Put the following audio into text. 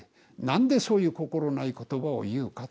何でそういう心ない言葉を言うかって。